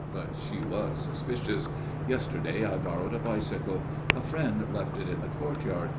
But she was suspicious! Yesterday I borrowed a bicycle. A friend left it in the courtyard.